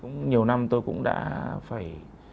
nhiều năm tôi cũng đã phải